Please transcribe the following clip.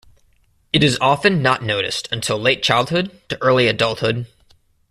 It is often not noticed until late childhood to early adulthood.